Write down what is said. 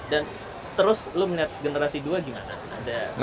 dan terus lu menet generasi dua gimana